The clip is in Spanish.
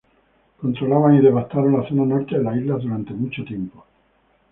Controlaban y devastaron la zona norte de las islas durante mucho tiempo.